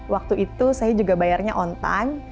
waktu itu saya juga bayarnya on time